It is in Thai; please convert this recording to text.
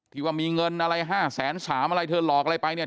คิดว่ามีเงินอะไรห้าแสนสามอะไรเธอหลอกอะไรไปเนี่ย